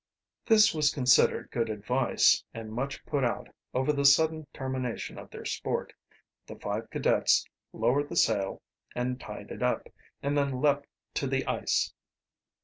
This was considered good advice, and much put out over the sudden termination of their sport, the five cadets lowered the sail and tied it up, and then leaped to the ice.